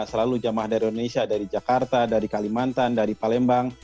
selalu jamaah dari indonesia dari jakarta dari kalimantan dari palembang